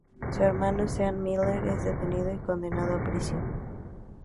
Su hermano Sean Miller es detenido y condenado a prisión.